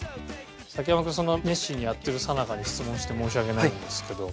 崎山君そんな熱心にやってるさなかに質問して申し訳ないんですけど。